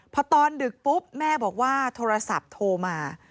พอตอนดึกปุ๊บแม่บอกว่าโทรศัพท์โทรมา